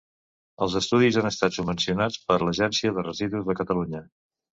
Els estudis han estat subvencionats per l'Agència de Residus de Catalunya.